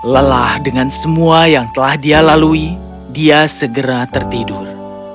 lelah dengan semua yang telah dia lalui dia segera tertidur